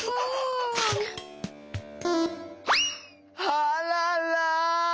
あらら！